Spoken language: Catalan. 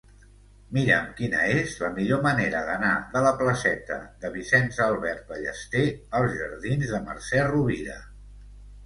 Mira'm quina és la millor manera d'anar de la placeta de Vicenç Albert Ballester als jardins de Mercè Rovira.